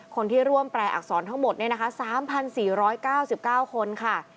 คนที่ร่วมแปลอักษรทั้งหมด๓๔๙๙คนค่ะ